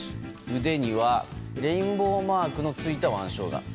腕にはレインボーマークのついた腕章が。